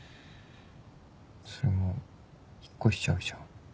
それもう引っ越しちゃうじゃん。